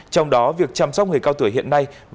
trong đó việc chăm sóc người cao tuổi hiện nay